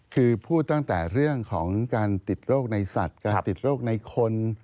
คือพูดตั้งแต่เรื่องของการติดโรคในสัตว์การติดโรคในคน